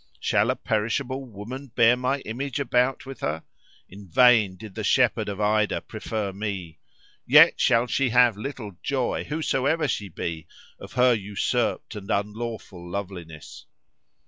Shall a perishable woman bear my image about with her? In vain did the shepherd of Ida prefer me! Yet shall she have little joy, whosoever she be, of her usurped and unlawful loveliness!"